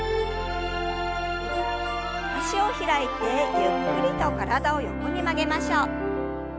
脚を開いてゆっくりと体を横に曲げましょう。